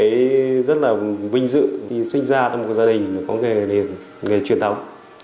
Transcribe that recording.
tôi có một cái rất là vinh dự sinh ra trong một gia đình có nghề truyền thống